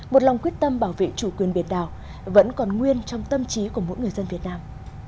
một lòng quyết tâm bảo vệ chủ quyền biển đảo vẫn còn nguyên trong tâm trí của mỗi người dân việt nam